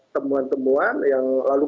temuan temuan yang lalu